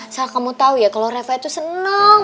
soalnya kamu tau ya kalo reva tuh seneng